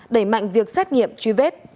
đẩy mạnh việc xét nghiệm truy vết